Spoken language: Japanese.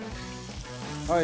はい。